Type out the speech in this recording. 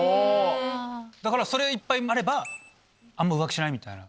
だからそれがいっぱいあればあんま浮気しないみたいな。